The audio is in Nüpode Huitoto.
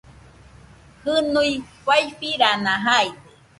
Jɨnui faifirana jaide